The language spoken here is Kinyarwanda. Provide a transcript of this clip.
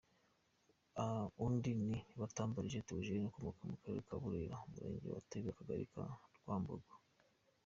Undi ni Batambarije Theogene ukomoka mu karere ka Burera Umurenge Gatebe Akagari Rwambongo.